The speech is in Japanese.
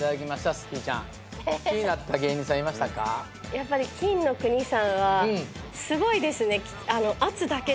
やっぱり金の国さんはすごいですね。